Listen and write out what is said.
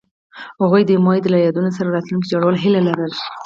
هغوی د امید له یادونو سره راتلونکی جوړولو هیله لرله.